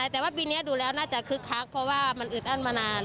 แต่ว่าปีนี้ดูแล้วน่าจะคึกคักเพราะว่ามันอึดอั้นมานาน